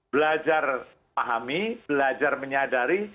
belajar pahami belajar menyadari